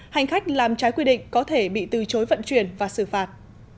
hành khách làm trái quy định có thể bị từ chối vận chuyển và xử phạt